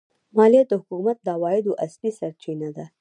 مالیه د حکومت د عوایدو اصلي سرچینه ده.